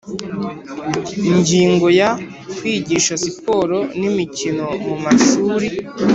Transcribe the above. Ingingo ya Kwigisha siporo n’ imikino mumashuri